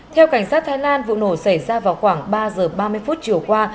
theo cảnh sát thái lan vụ nổ xảy ra vào khoảng ba giờ ba mươi phút chiều qua